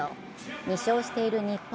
２勝している日本。